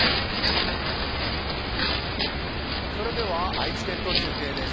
愛知県と中継です。